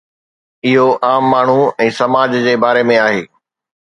اهو عام ماڻهو ۽ سماج جي باري ۾ آهي.